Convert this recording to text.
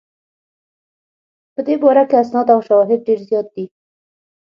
په دې باره کې اسناد او شواهد ډېر زیات دي.